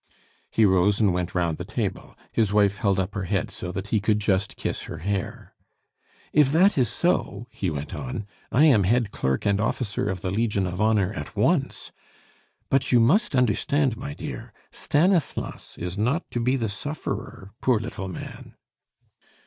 He rose and went round the table; his wife held up her head so that he could just kiss her hair. "If that is so," he went on, "I am head clerk and officer of the Legion of Honor at once. But you must understand, my dear, Stanislas is not to be the sufferer, poor little man."